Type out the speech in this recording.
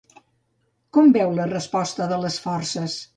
Com veu la resposta de les forces?